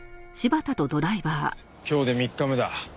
今日で３日目だ。